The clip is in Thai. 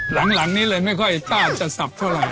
หลังนี้เลยไม่ค่อยกล้าจะสับเท่าไหร